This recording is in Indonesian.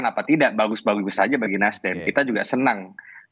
kenapa tidak bagus bagus saja bagi nasdem kita juga senang